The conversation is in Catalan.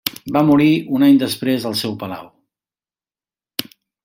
Va morir un any després al seu palau.